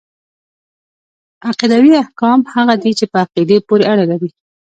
عقيدوي احکام هغه دي چي په عقيدې پوري اړه لري .